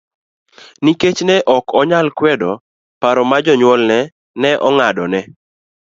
Nikech ne ok onyal kwedo paro ma jonyuolne ne ong'adone